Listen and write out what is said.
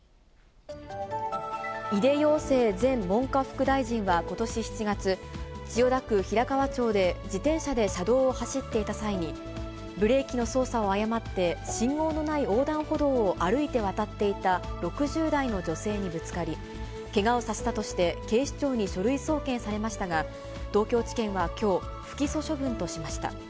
井出庸生前文科副大臣はことし７月、千代田区平河町で自転車で車道を走っていた際に、ブレーキの操作を誤って、信号のない横断歩道を歩いて渡っていた６０代の女性にぶつかり、けがをさせたとして警視庁に書類送検されましたが、東京地検はきょう、不起訴処分としました。